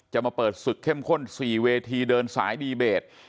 มาเปิดศึกเข้มข้น๔เวทีเดินสายดีเบต